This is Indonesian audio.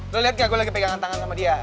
lo lihat gak gue lagi pegangan tangan sama dia